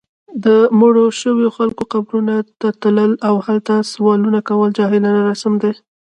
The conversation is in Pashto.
د مړو شوو خلکو قبرونو ته تلل، او هلته سوالونه کول جاهلانه رسم دی